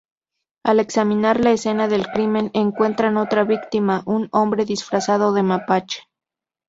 Al examinar la escena del crimen encuentran otra víctima: Un hombre disfrazado de Mapache.